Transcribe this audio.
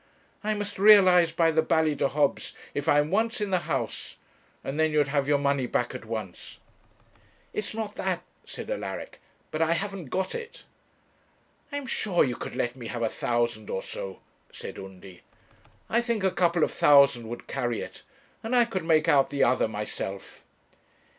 I must realize by the Ballydehobs, if I am once in the House; and then you'd have your money back at once.' 'It is not that,' said Alaric; 'but I haven't got it.' 'I am sure you could let me have a thousand or so,' said Undy. 'I think a couple of thousand would carry it, and I could make out the other myself.'